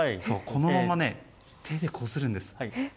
このまま手でこするんです。